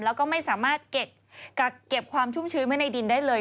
แล้วก็ไม่สามารถกักเก็บความชุ่มชื้นไว้ในดินได้เลย